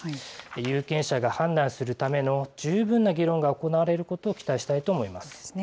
有権者が判断するための十分な議論が行われることを期待したいとそうですね。